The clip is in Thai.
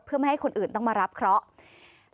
เพื่อไม่ให้คนอื่นต้องมารับเคราะห์